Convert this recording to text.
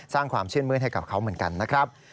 สร้างความชื่นมื้นให้กับเขาเหมือนกันนะครับ